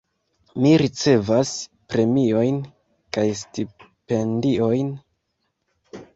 Mi ricevas premiojn kaj stipendiojn.